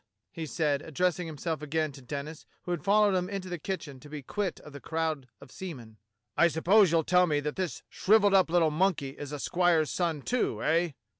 ^" he said, addressing himself again to Denis, who had followed him into the kitchen to be quit of the crowd of seamen. "I suppose you'll tell me that this shrivelled up little monkey is a squire's son too, eh?"